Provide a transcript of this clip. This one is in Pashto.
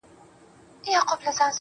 روح مي نو څه وخت مهربانه په کرم نیسې.